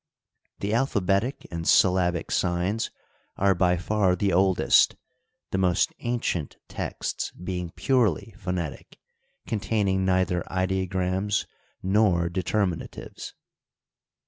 The alpha betic and syllabic signs are by far the oldest, the most ancient texts being purely phonetic, containing neither ideograms nor deteiminatives.